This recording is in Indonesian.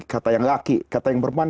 kalau kata yang laki kata yang perempuan